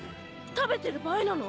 食べてる場合なの？